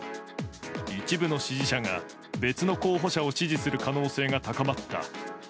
一部の支持者が別の候補者を支持する可能性が高まった。